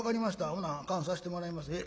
ほな燗さしてもらいます。